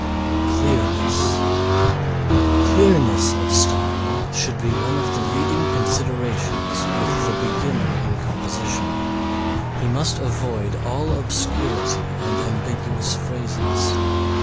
CLEARNESS Clearness of style should be one of the leading considerations with the beginner in composition. He must avoid all obscurity and ambiguous phrases.